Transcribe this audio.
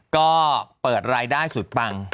ก็เปิดรายได้สุดปัง